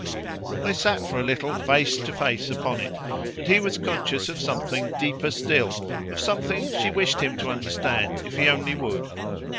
They sat for a little face to face upon it, and he was conscious of something deeper still, of something she wished him to understand if he only would.